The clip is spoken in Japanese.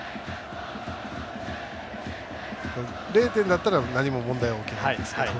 ０点だったら何も問題起きないですけど。